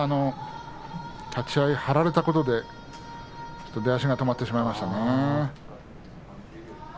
立ち合い張られたことで出足が止まってしまいましたね。